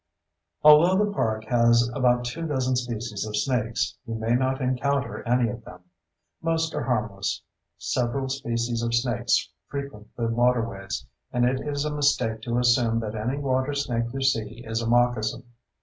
Although the park has about two dozen species of snakes, you may not encounter any of them. Most are harmless—several species of snakes frequent the waterways, and it is a mistake to assume that any water snake you see is a moccasin.